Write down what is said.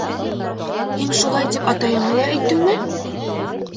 - Һин шулай тип атайыңа ла әйттеңме?